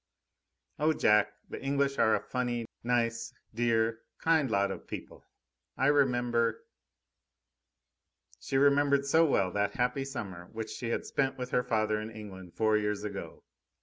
"Oh, Jack! The English are a funny, nice, dear, kind lot of people. I remember " She remembered so well that happy summer which she had spent with her father in England four years ago.